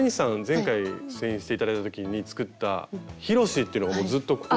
前回出演して頂いた時に作ったヒロシっていうのがずっとここにいるんです